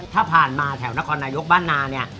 ถ้าผ่านมาแถวนครนายกบ้านนาเนี่ย